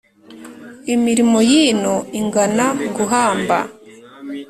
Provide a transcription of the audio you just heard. Imirimo y'ino ingana guhamba